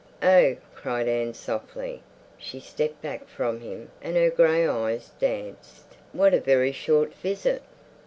"Oh!" cried Anne softly—she stepped back from him and her grey eyes danced—"what a very short visit!"